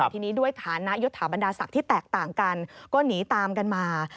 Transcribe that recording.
ทีนี้ด้วยฐานะยศถาบรรดาศักดิ์ที่แตกต่างกันก็หนีตามกันมา